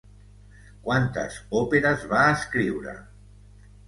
Quantes òperes va escriure?